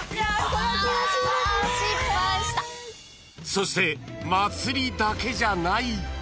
［そして祭りだけじゃない！］